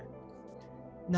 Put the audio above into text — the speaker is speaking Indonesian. nah tapi berarti ya